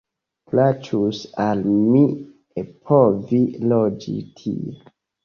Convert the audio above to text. Plaĉus al mi ekpovi loĝi tie.